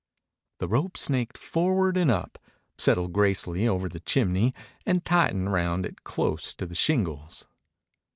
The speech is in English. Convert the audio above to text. The rope snaked forward and up, settled gracefully over the chimney, and tightened round it close to the shingles.